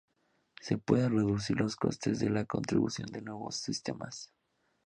Se puede reducir los costes de la construcción de nuevos sistemas.